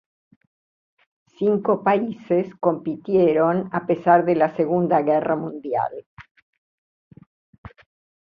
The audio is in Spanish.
Cinco países compitieron a pesar de la Segunda Guerra Mundial.